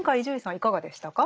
いかがでしたか？